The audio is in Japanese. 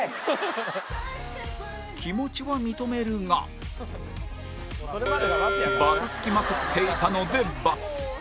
気持ちは認めるがバタつきまくっていたので×